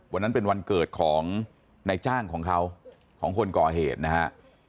วันนั้นเป็นวันเกิดของนายจ้างของเขาของคนก่อเหตุนะฮะ